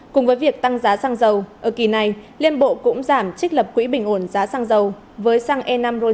cùng với việc tăng giá xăng dầu ở kỳ này liên bộ cũng giảm trích lập quỹ bình ổn giá xăng dầu với xăng e năm ron chín